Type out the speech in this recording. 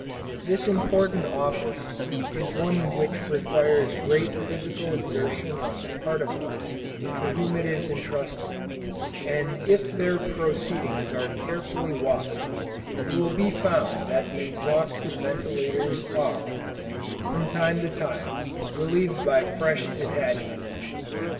This important office is one which requires great physical exertion on the part of those to whom it is entrusted; and if their proceedings are carefully watched, it will be found that the exhausted ventilators, are, from time to time, relieved by fresh detachments.